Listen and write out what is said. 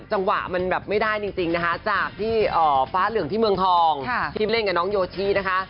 จังหวะมันแบบไม่ได้จริงนะคะจากที่ฟ้าเหลืองที่เมืองทองที่เล่นกับน้องโยชินะคะ